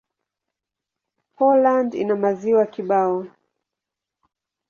Poland ina maziwa kibao.